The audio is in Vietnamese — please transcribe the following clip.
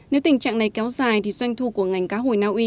nếu tình trạng này kéo dài thì doanh thu của ngành cá hồi naui